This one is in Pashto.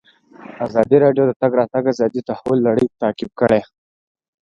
ازادي راډیو د د تګ راتګ ازادي د تحول لړۍ تعقیب کړې.